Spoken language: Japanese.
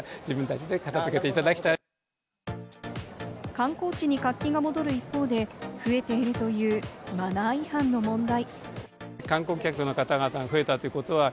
観光地に活気が戻る一方で、増えているというマナー違反の問題。